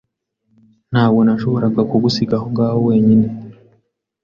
Ntabwo nashoboraga kugusiga aho ngaho wenyine.